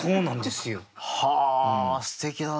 はあすてきだな。